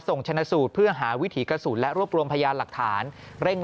ชนะสูตรเพื่อหาวิถีกระสุนและรวบรวมพยานหลักฐานเร่ง